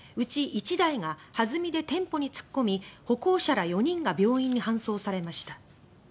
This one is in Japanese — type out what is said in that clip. １台がはずみで店舗に突っ込み歩行者ら４人が病院に搬送されました。